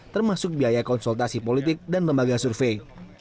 termasuk biaya konsultasi politik dan lembaga survei